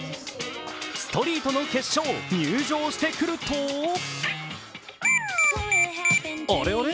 ストリートの決勝、入場してくるとあれあれ？